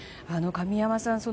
神山さん